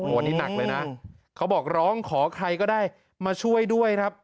วันนี้หนักเลยนะเขาบอกร้องขอใครก็ได้มาช่วยด้วยครับ